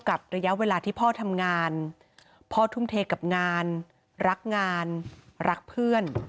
ระยะเวลาที่พ่อทำงานพ่อทุ่มเทกับงานรักงานรักเพื่อน